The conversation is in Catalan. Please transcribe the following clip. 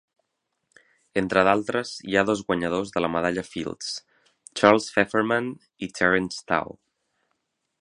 Entre d'altres, hi ha dos guanyadors de la Medalla Fields, Charles Fefferman i Terence Tao.